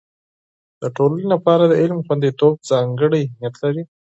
د ټولنې لپاره د علم خوندیتوب ځانګړی اهميت لري.